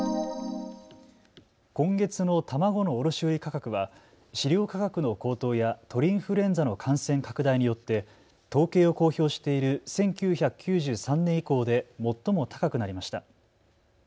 今月の卵の卸売価格は飼料価格の高騰や鳥インフルエンザの感染拡大によって統計を公表している１９９３年以降で最も高くなりました。